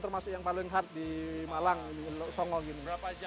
berapa jam kalau itu